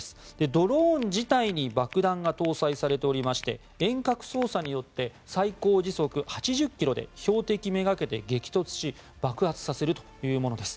ドローン自体に爆弾が搭載されておりまして遠隔操作によって最高時速８０ｋｍで標的めがけて激突し爆発させるというものです。